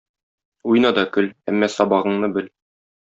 Уйна да көл, әмма сабагыңны бел.